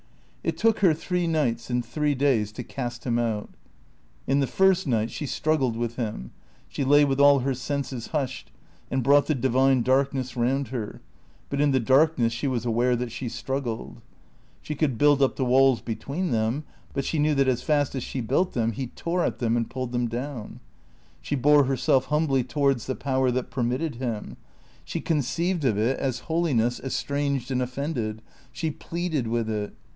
It took her three nights and three days to cast him out. In the first night she struggled with him. She lay with all her senses hushed, and brought the divine darkness round her, but in the darkness she was aware that she struggled. She could build up the walls between them, but she knew that as fast as she built them he tore at them and pulled them down. She bore herself humbly towards the Power that permitted him. She conceived of it as holiness estranged and offended; she pleaded with it.